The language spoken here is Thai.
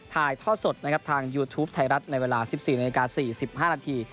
ถ่ายทอดสดนะครับทางยูทูปไทยรัฐในเวลา๑๔นาฬิกา๔๕นาที